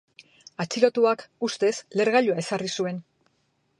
Atxilotuak ustez lehergailua ezarri zuen.